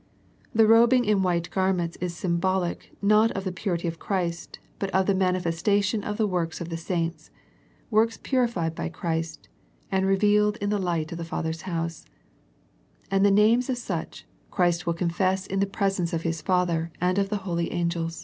The robing in white garments is sym bolical not of the purity of Christ, but of the manifestation of the works of the saints, works purified by Christ, and revealed in the light of the Father's house ; and the names of such, Christ will confess in the presence of His Father and of the holy angels.